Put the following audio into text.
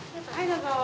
どうぞ。